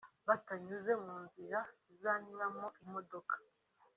batanyuze mu nzira zizanyuramo imodoka